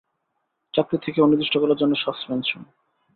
চাকরি থেকে অনির্দিষ্টকালের জন্য সাসপেনশন।